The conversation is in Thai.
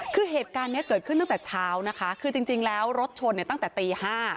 คือเหตุการณ์นี้เกิดขึ้นตั้งแต่เช้านะคะคือจริงแล้วรถชนเนี่ยตั้งแต่ตี๕